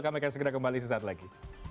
kami akan segera kembali sesaat lagi